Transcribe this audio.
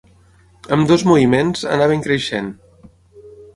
Ambdós Moviments anaven creixent.